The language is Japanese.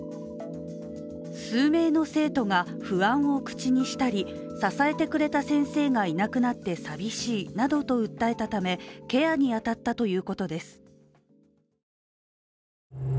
数名の生徒が不安を口にしたり支えてくれた先生がいなくなって寂しいなどと訴えたため、ケアに当たったということです。